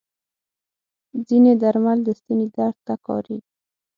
ځینې درمل د ستوني درد ته کارېږي.